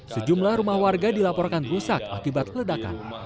sejumlah rumah warga dilaporkan rusak akibat ledakan